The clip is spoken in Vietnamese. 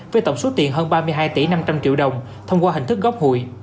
với tổng số tiền hơn ba mươi hai tỷ năm trăm linh triệu đồng thông qua hình thức góp hụi